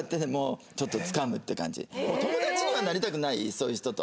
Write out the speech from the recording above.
そういう人と。